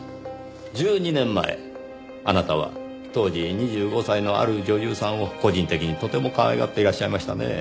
１２年前あなたは当時２５歳のある女優さんを個人的にとてもかわいがっていらっしゃいましたねぇ。